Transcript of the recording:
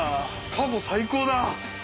過去最高だ。